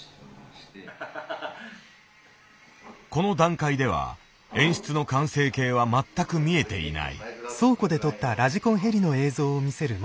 この段階では演出の完成形は全く見えていない。